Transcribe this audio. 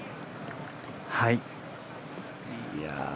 はい。